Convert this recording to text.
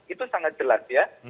itu sangat jelas ya